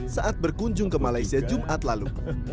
saat berkunjung ke malaysia jumat lalu